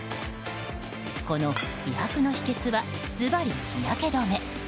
この美白の秘訣はずばり、日焼け止め。